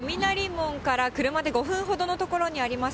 浅草・雷門から車で５分ほどの所にあります